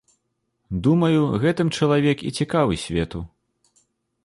Думаю, гэтым чалавек і цікавы свету.